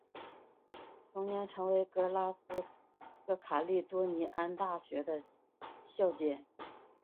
同年成为格拉斯哥卡利多尼安大学的校监。